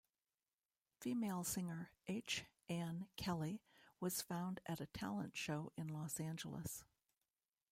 Female singer H. Ann Kelly was found at a talent show in Los Angeles.